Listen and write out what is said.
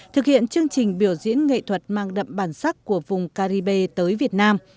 thực hiện chương trình biểu diễn nghệ thuật mang đậm bản sắc của vùng caribe tới việt nam